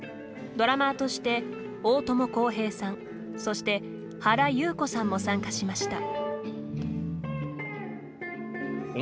ドラマーとして大友康平さんそして原由子さんも参加しました。